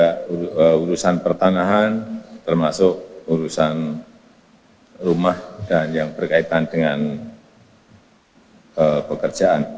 ada urusan pertanahan termasuk urusan rumah dan yang berkaitan dengan pekerjaan